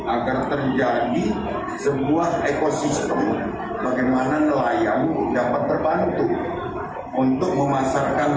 agar terjadi sebuah ekosistem bagaimana nelayan dapat terbantu untuk memasarkan